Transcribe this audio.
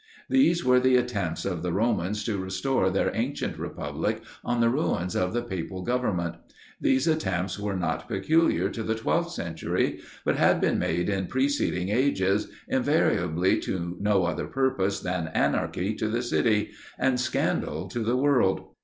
These were the attempts of the Romans to restore their ancient republic on the ruins of the papal government. These attempts were not peculiar to the 12th century, but had been made in preceding ages, invariably to no other purpose than anarchy to the city, and scandal to the world.